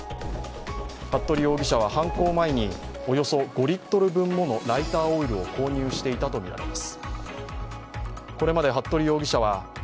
服部容疑者は犯行前におよそ５リットル分ものライターオイルを購入していたとみられます。